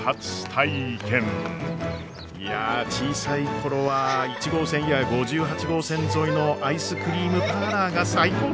いや小さい頃は１号線や５８号線沿いのアイスクリームパーラーが最高でした！